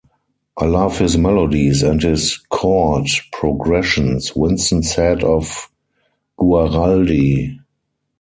"I love his melodies and his chord progressions", Winston said of Guaraldi.